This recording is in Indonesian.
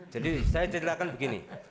jadi saya cerdakan begini